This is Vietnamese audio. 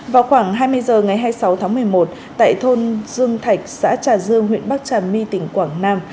vào khoảng hai mươi h ngày hai mươi sáu tháng một mươi một tại thôn dương thạch xã trà dương huyện bắc trà my tỉnh quảng nam